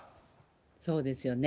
そうですよね。